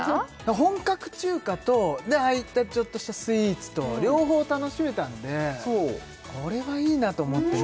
本格中華とでああいったちょっとしたスイーツと両方楽しめたんでこれはいいなと思ったね